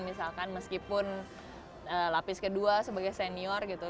misalkan meskipun lapis kedua sebagai senior gitu